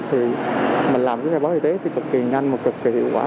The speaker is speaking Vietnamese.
thì mình làm cái khai báo y tế thì cực kỳ nhanh một cực kỳ hiệu quả